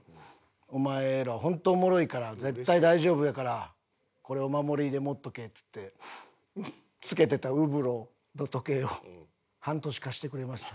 「お前らホントおもろいから絶対大丈夫やからこれお守りで持っとけ」っつって着けてた貸してくれた？